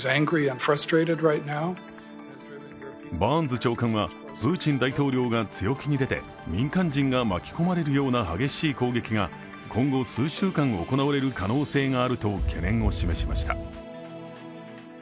バーンズ長官はプーチン大統領が強気に出て民間人が巻き込まれるような激しい攻撃が今後数週間行われる可能性があると懸念を示しました。